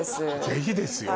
ぜひですよ